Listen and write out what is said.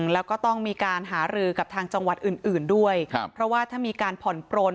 แล้วก็ต้องมีการหารือกับทางจังหวัดอื่นอื่นด้วยครับเพราะว่าถ้ามีการผ่อนปลน